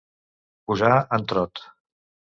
Posar en trot.